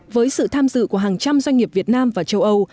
với sự tham dự của hàng trăm doanh nghiệp việt nam và châu âu